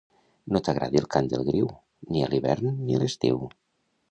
No t'agradi el cant del griu, ni a l'hivern ni a l'estiu.